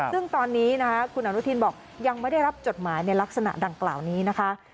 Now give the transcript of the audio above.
ซึ่งตอนนี้นะคะคุณอนุทินบอกยังไม่ได้รับจดหมายในลักษณะดังกล่าวนี้นะคะ